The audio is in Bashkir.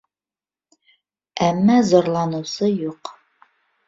Әммә зарланыусы юҡ.